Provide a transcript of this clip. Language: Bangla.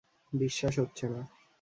বিশ্বাস হচ্ছে না।